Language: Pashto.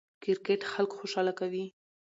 کرکټ خلک خوشحاله کوي.